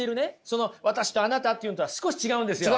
その私とあなたっていうのとは少し違うんですよ。